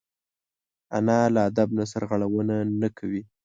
انا له ادب نه سرغړونه نه کوي